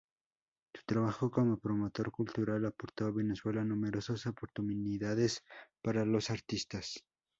Su trabajo como promotor cultural aportó a Venezuela numerosas oportunidades para los artistas.